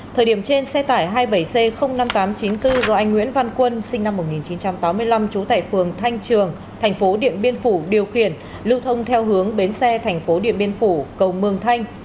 thời điểm trên xe tải hai mươi bảy c năm nghìn tám trăm chín mươi bốn do anh nguyễn văn quân sinh năm một nghìn chín trăm tám mươi năm trú tại phường thanh trường thành phố điện biên phủ điều khiển lưu thông theo hướng bến xe thành phố điện biên phủ cầu mương thanh